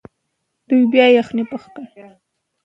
وینو ته مه ژاړه.